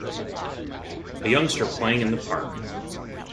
A youngster playing in the park.